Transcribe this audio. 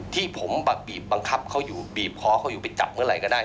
ที่ผมบีบบังคับเขาอยู่บีบคอเขาอยู่ไปจับเมื่อไหร่ก็ได้